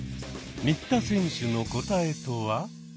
新田選手の答えとは？